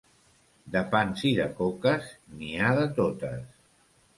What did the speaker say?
De pans i de coques, n'hi ha de totes.